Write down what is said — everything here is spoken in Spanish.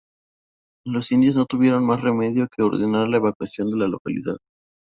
Los indios no tuvieron más remedio que ordenar la evacuación de la localidad.